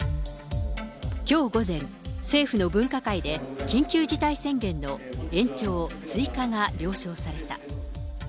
きょう午前、政府の分科会で緊急事態宣言の延長、追加が了承された。